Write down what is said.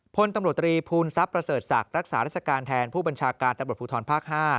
พลตำรวจตรีภูมิทรัพย์ประเสริฐศักดิ์รักษาราชการแทนผู้บัญชาการตำรวจภูทรภาค๕